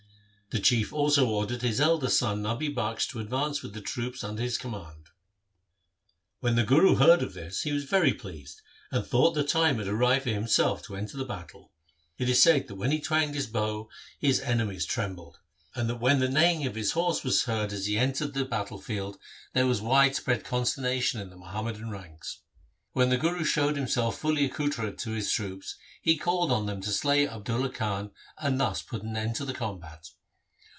The Chief also ordered his eldest son Nabi Bakhsh to advance with the troops under his command. When the Guru heard of this he was very pleased and thought the time had arrived for himself to enter the battle. It is said that when he twanged his bow his enemies trembled, and that when the neighing of his horse was heard as he entered the ii2 THE SIKH RELIGION battle field, there was widespread consternation in the Muhammadan ranks. When the Guru showed himself fully accoutred to his troops, he called on them to slay Abdulla Khan and thus put an end to the combat.